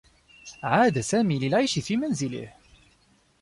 عاد سامي للعيش في منزله.